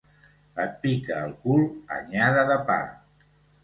Et pica el cul, anyada de pa.